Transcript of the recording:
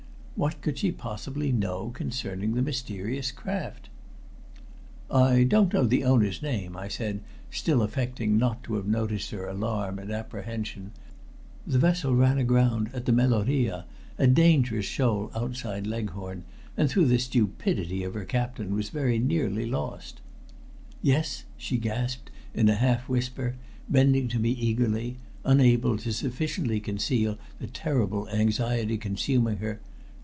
What could she possibly know concerning the mysterious craft? "I don't know the owner's name," I said, still affecting not to have noticed her alarm and apprehension. "The vessel ran aground at the Meloria, a dangerous shoal outside Leghorn, and through the stupidity of her captain was very nearly lost." "Yes?" she gasped, in a half whisper, bending to me eagerly, unable to sufficiently conceal the terrible anxiety consuming her.